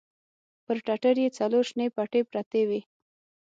پر ټټر يې څلور شنې پټې پرتې وې.